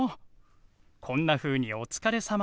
こんなふうに「おつかれさま」。